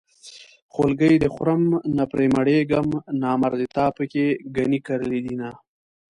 خولګۍ دې خورم نه پرې مړېږم نامردې تا پکې ګني کرلي دينه